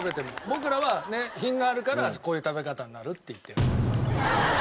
僕らは品があるからこういう食べ方になるって。